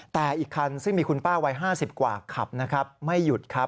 แต่อีกคันซึ่งมีคุณป้าวัย๕๐กว่าขับนะครับไม่หยุดครับ